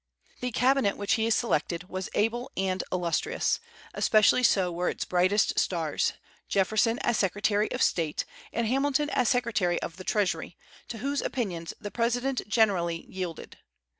The cabinet which he selected was able and illustrious; especially so were its brightest stars, Jefferson as Secretary of State, and Hamilton as Secretary of the Treasury, to whose opinions the President generally yielded.